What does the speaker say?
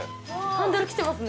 ハンドル切ってますね。